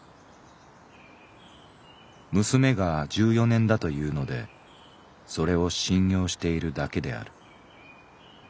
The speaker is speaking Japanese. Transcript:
娘が十四年だというのでそれを信用しているだけである」。